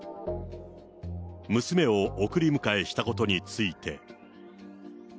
娘を送り迎えしたことについて。